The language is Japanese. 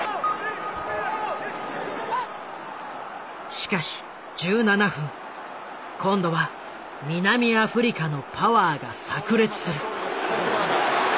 しかし１７分今度は南アフリカのパワーがさく裂する。